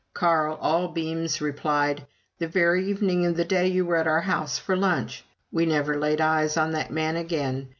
Carl, all beams, replied, "The very evening of the day you were at our house for lunch!" We never laid eyes on that man again!